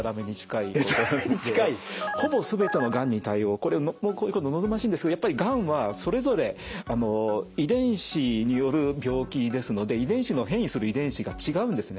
これ望ましいんですがやっぱりがんはそれぞれ遺伝子による病気ですので遺伝子の変異する遺伝子が違うんですね。